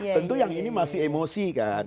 tentu yang ini masih emosi kan